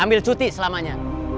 ambil cuti selamanya